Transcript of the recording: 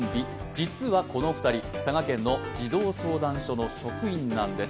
実はこの２人、佐賀県の児童相談所の職員なんです。